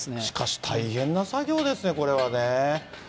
しかし大変な作業ですね、これはね。